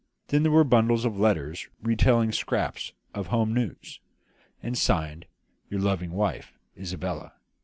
Then there were bundles of letters retailing scraps of home news, and signed "Your loving wife, Isabella."